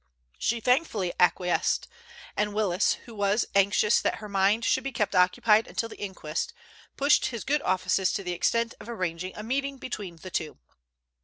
She thankfully acquiesced, and Willis, who was anxious that her mind should be kept occupied until the inquest, pushed his good offices to the extent of arranging a meeting between the two.